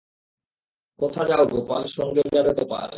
কোথা যাও গোপাল, সঙ্গে যাবে কপাল।